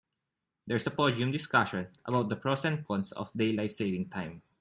There's a podium discussion about the pros and cons of daylight saving time.